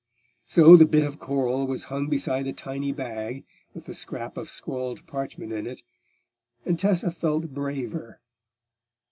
So the bit of coral was hung beside the tiny bag with the scrap of scrawled parchment in it, and Tessa felt braver.